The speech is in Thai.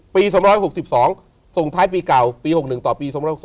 ๒๖๒ส่งท้ายปีเก่าปี๖๑ต่อปี๒๖๒